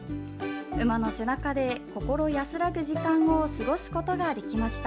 馬の背中で心安らぐ時間を過ごすことができました。